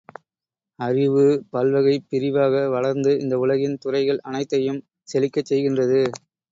அறிவு பல்வகைப் பிரிவாக வளர்ந்து இந்த உலகின் துறைகள் அனைத்தையும் செழிக்கச் செய்கின்றது.